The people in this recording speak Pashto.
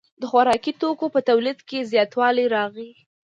د خوراکي توکو په تولید کې زیاتوالی راغی.